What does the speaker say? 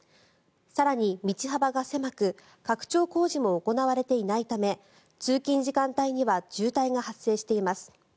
更に道幅が狭く拡張工事も行われていないため通勤時間帯には渋滞が発生しています。